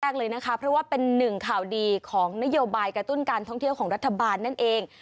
เลยนะคะเพราะว่าเป็นหนึ่งข่าวดีของนโยบายกระตุ้นการท่องเที่ยวของรัฐบาลนั่นเอง